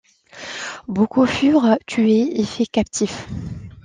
Beaucoup furent tués et faits captifs.